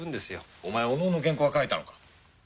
お前お能の原稿は書いたのか？